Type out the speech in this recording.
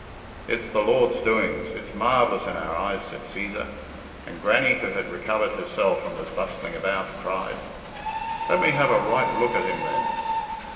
"It's the Lord's doings it's marvellous in our eyes," said Cæsar; and Grannie, who had recovered herself and was bustling about, cried "Let me have a right look at him, then.